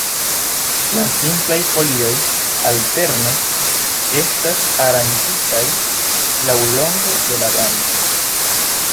La simplaj folioj alterne estas aranĝitaj laŭlonge de la branĉo.